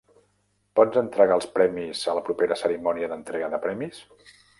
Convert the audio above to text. Pots entregar els premis a la propera cerimònia d'entrega de premis?